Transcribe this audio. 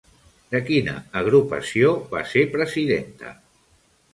De quina agrupació va ser presidenta?